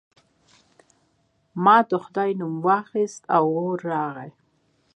ما د خدای نوم واخیست او اور راغی.